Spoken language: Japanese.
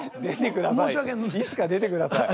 出てください。